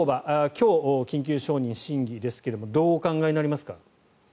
今日、緊急承認審議ですがどうお考えになりますか。